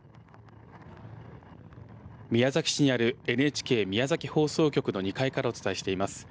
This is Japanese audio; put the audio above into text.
宮崎市にあるＮＨＫ宮崎放送局の２階からお伝えしています。